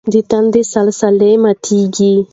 د تندي سلاسې ماتېږي.